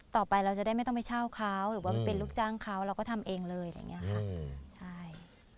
ต่อไปเราจะได้ไม่ต้องไปเช่าเขาหรือว่าเป็นลูกจ้างเขาเราก็ทำเองเลยอะไรอย่างนี้ค่ะใช่